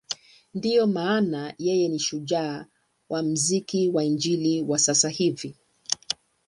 Ndiyo maana yeye ni shujaa wa muziki wa Injili wa sasa hizi.